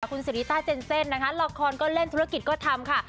คุณสิริต้าเจนเซ่นนะคะละครก็เล่นธุรกิจก็ทำค่ะ